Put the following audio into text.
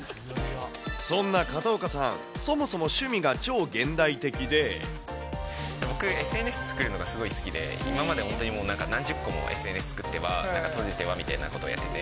そんな片岡さん、そもそも趣僕、ＳＮＳ作るのがすごい好きで、今まで本当にもう、何十個もＳＮＳ作っては閉じてはみたいなことをやってて。